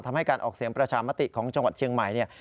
ทำให้การออกเสียงประชามติของจังหวัดเชียงใหม่เนี่ย